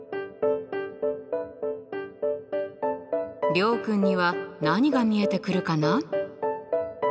諒君には何が見えてくるかな？